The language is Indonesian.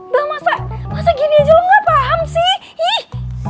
bel masa gini aja lo gak paham sih